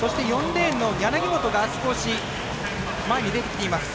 ４レーンの柳本が少し前に出てきています。